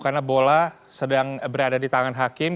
karena bola sedang berada di tangan hakim